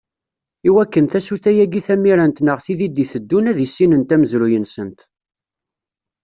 I wakken, tasuta-agi tamirant neɣ tid i d-iteddun ad issinent amezruy-nsent.